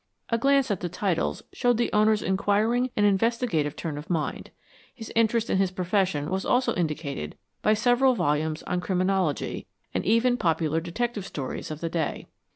A glance at the titles showed the owner's inquiring and investigative turn of mind. His interest in his profession was also indicated by several volumes on criminology, and even popular detective stories of the day.